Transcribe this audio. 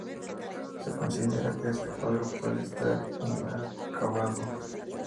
Se considera que este cuadro puede estar inacabado.